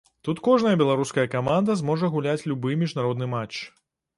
Тут кожная беларуская каманда зможа гуляць любы міжнародны матч.